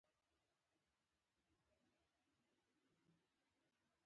وژنه د ژړا تسلسل دی